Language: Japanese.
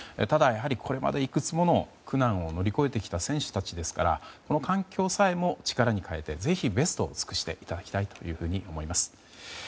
ただ、やはりこれまでいくつもの苦難を乗り越えてきた選手たちですからこの環境さえも力に変えてぜひベストを尽くしていただきたいと思います。